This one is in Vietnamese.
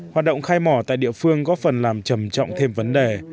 hoạt động khai mỏ tại địa phương góp phần làm trầm trọng thêm vấn đề